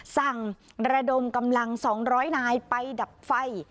สั่งระดมกำลัง๒๐๐นายไปดับไฟ